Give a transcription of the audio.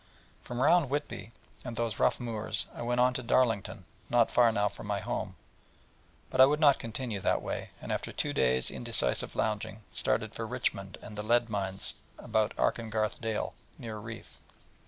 From round Whitby, and those rough moors, I went on to Darlington, not far now from my home: but I would not continue that way, and after two days' indecisive lounging, started for Richmond and the lead mines about Arkengarth Dale, near Reeth.